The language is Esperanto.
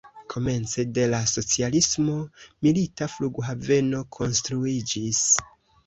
Komence de la socialismo milita flughaveno konstruiĝis.